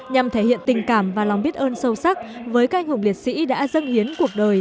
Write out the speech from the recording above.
nhằm thể hiện tình cảm và lòng biết ơn sâu sắc với các anh hùng liệt sĩ đã dâng hiến cuộc đời